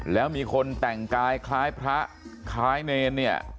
แล้วมีคนแต่งกายคล้ายพระคล้ายเนรเนี่ย